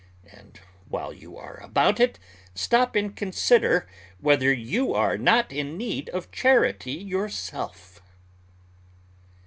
And, while you are about it, stop and consider whether you are not in need of charity yourself.